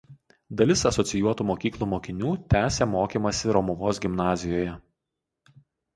Dalis asocijuotų mokyklų mokinių tęsia mokymąsi „Romuvos“ gimnazijoje.